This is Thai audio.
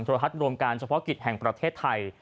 โทรฮัทรวมการเฉพาะกิจสถานการณ์แห่งประเทศไทย